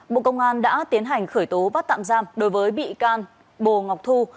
bộ công an đã tiến hành khởi tố bắt tạm giam đối với bị can bồ ngọc thu